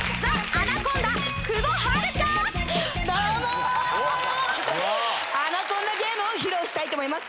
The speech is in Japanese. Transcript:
アナコンダゲームを披露したいと思います。